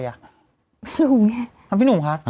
เหมือนที่หนูคะ